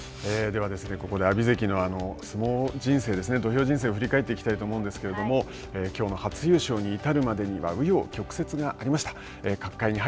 では、ここで、阿炎関の相撲人生ですね、土俵人生を振り返っていきたいと思うんですけれども、きょうの初優勝に至るまでには、う余曲折がありました。